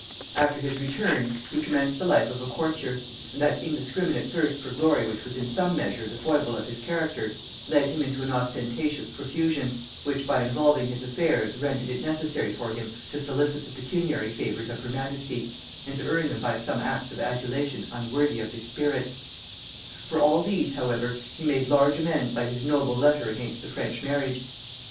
After his return, he commenced the life of a courtier; and that indiscriminate thirst for glory which was in some measure the foible of his character, led him into an ostentatious profusion, which, by involving his affairs, rendered it necessary for him to solicit the pecuniary favors of her majesty, and to earn them by some acts of adulation unworthy of his spirit: for all these, however, he made large amends by his noble letter against the French marriage.